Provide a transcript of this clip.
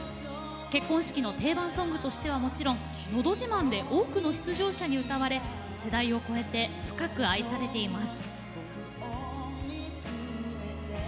結婚式の定番ソングとしてはもちろん、「のど自慢」で多くの出場者に歌われ世代を超えて深く愛されています。